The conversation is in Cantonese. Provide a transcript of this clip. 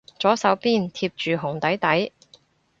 左手邊貼住紅底底